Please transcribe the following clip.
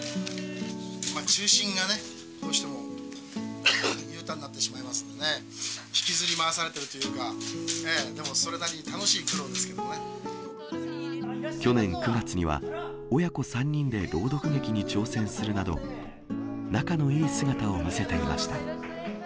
中心がね、どうしても裕太になってしまいますんでね、引きずり回されているというか、でもそれなりに楽しい苦労ですけ去年９月には、親子３人で朗読劇に挑戦するなど、仲のいい姿を見せていました。